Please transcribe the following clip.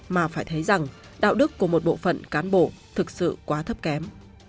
mà phải thấy rằng đạo đức của một bộ phận cán bộ thực sự quá thấp kém